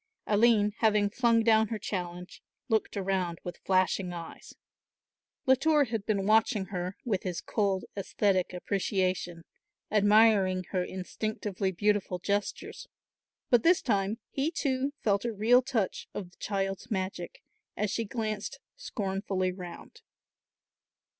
Aline having flung down her challenge looked around with flashing eyes. Latour had been watching her with his cold aesthetic appreciation, admiring her instinctively beautiful gestures, but this time, he too felt a real touch of the child's magic as she glanced scornfully round.